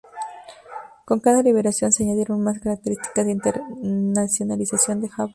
Con cada liberación se añadieron más características de internacionalización de Java.